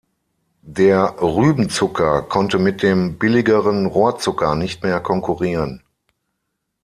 Der Rübenzucker konnte mit dem billigeren Rohrzucker nicht mehr konkurrieren.